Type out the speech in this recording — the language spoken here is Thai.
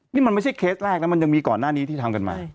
นี่มันไม่ใช่เคสแรกนะมันยังมีก่อนหน้านี้ที่ทำกันมา